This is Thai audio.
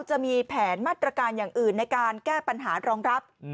จะมีแผนมาตรการอย่างอื่นในการแก้ปัญหารองรับ